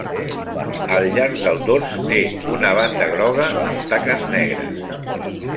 Al llarg del dors té una banda groga amb taques negres.